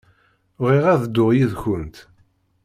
Bɣiɣ ad dduɣ yid-kent.